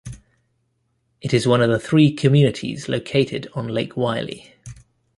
It is one of the three communities located on Lake Wylie.